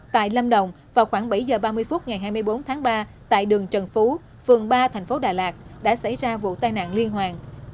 tại lâm đồng vào khoảng bảy h ba mươi phút ngày hai mươi bốn tháng ba tại đường trần phú phường ba thành phố đà lạt đã xảy ra vụ tai nạn liên hoàn